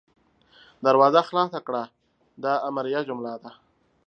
دروازه خلاصه کړه – دا امریه جمله ده.